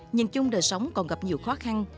nhìn chung đời sống còn gặp nhiều khó khăn